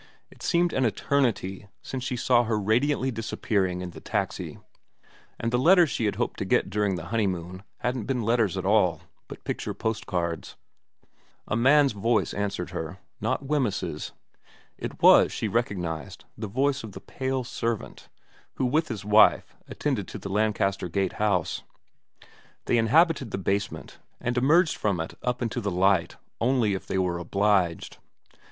It seemed an eternity since she saw her radiantly disappearing in the taxi ; and the letters she had hoped to get during the honey moon hadn't been letters at all, but picture postcards. A man's voice answered her, not Wemyss's. It was, she recognised, the voice of the pale servant, who with his wife attended to the Lancaster Gate house. They inhabited the basement, and emerged from it up into the light only if they were obliged.